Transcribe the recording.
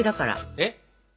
えっ？